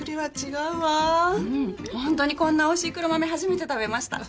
うんホントにこんなおいしい黒豆初めて食べました。